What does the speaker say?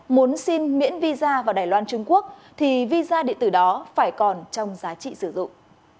muốn xin miễn visa vào đài loan trung quốc thì visa điện tử đó phải còn trong giá trị sử dụng